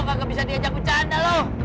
gak bisa diajak jaganya lu